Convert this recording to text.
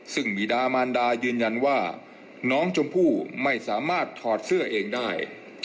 ซึ่งบีดามานดายืนยันว่าน้องชมพู่ไม่สามารถถอดเสื้อเองได้